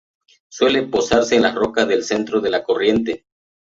Suele posarse en las rocas del centro de la corriente.